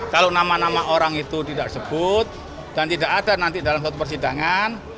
kalau nama nama orang itu tidak disebut dan tidak ada nanti dalam satu persidangan